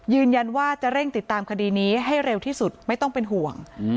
ยืนยันว่าจะเร่งติดตามคดีนี้ให้เร็วที่สุดไม่ต้องเป็นห่วง